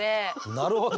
なるほど。